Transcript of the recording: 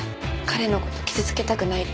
彼のこと傷つけたくない。